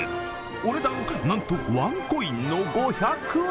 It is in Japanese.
お値段なんとワンコインの５００円！